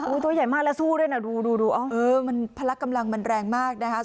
ตัวใหญ่มากแล้วสู้ด้วยนะดูดูมันพลักกำลังมันแรงมากนะคะ